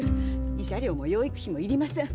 慰謝料も養育費もいりません。